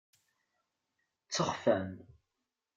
Ttexfan.